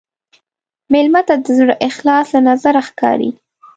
مېلمه ته د زړه اخلاص له نظره ښکاري.